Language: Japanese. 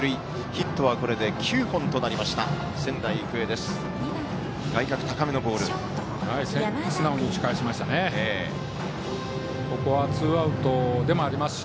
ヒットはこれで９本となりました仙台育英です。